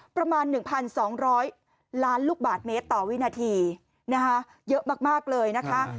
ประมาณหนึ่งพันสองร้อยล้านลูกบาทเมตรต่อวินาทีนะคะเยอะมากมากเลยนะคะ